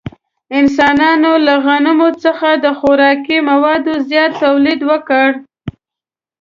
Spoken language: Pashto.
انسانانو له غنمو څخه د خوراکي موادو زیات تولید وکړ.